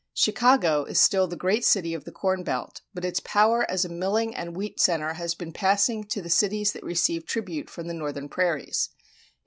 Chicago is still the great city of the corn belt, but its power as a milling and wheat center has been passing to the cities that receive tribute from the northern prairies.